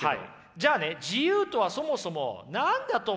じゃあね自由とはそもそも何だと思います？